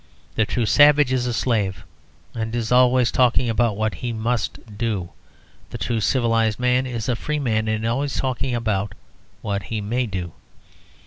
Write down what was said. The true savage is a slave, and is always talking about what he must do; the true civilised man is a free man and is always talking about what he may do.